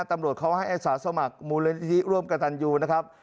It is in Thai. ตำรวจเขาให้อาสาสมัครมูลนิธิร่วมกับตันยูนะครับ